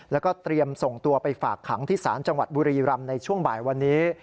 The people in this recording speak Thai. แล้วก็เตรียมส่งตัวไปฝากขังที่ศาลจังหวัดบุรีรำในช่วงบ่ายวันนี้